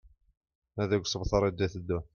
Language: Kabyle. Nadi deg usebter d-iteddun